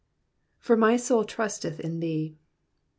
'^For my soul trusteth in thee.''''